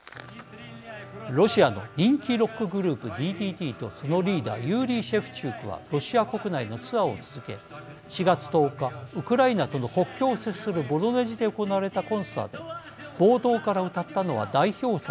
ロシアの人気ロックグループＤＤＴとそのリーダーユーリー・シェフチュークはロシア国内のツアーを続け４月１０日、ウクライナとの国境を接するボロネジで行われたコンサートで冒頭から歌ったのは代表作